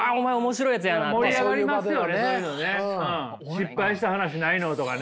失敗した話ないの？とかね